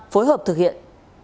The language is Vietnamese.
phối hợp thực hiện